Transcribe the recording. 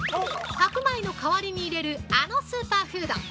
白米の代わりに入れるあのスーパーフード！